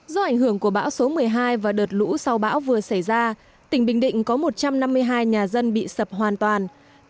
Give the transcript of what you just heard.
do ảnh hưởng của bão số một mươi hai và đợt lũ sau bão vừa xảy ra tỉnh bình định có một trăm năm mươi hai nhà dân bị sập hoàn toàn